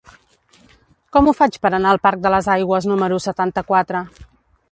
Com ho faig per anar al parc de les Aigües número setanta-quatre?